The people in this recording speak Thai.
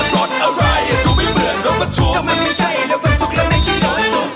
ก็มันไม่ใช่รถบรรทุกและไม่ใช่รถตุ๊ก